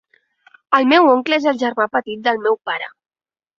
El meu oncle és el germà petit del meu pare.